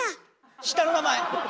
下の名前。